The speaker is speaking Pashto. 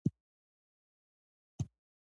چې هغوی ته پښتو لا دومره نه ده ګرانه